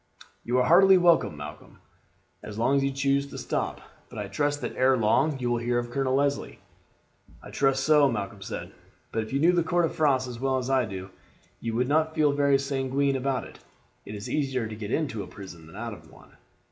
"You are heartily welcome, Malcolm, as long as you choose to stop; but I trust that ere long you will hear of Colonel Leslie." "I trust so," Malcolm said; "but if you knew the court of France as well as I do you would not feel very sanguine about it. It is easier to get into a prison than out of one."